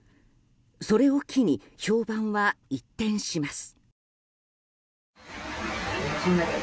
それを機に、評判は一転します。